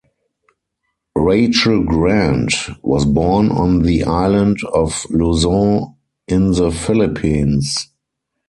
Rachel Grant was born on the island of Luzon in the Philippines.